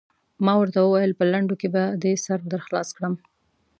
ما ورته وویل: په لنډو کې به دې سر در خلاص کړم.